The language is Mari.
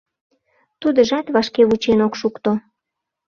Тудыжат вашке вучен ок шукто...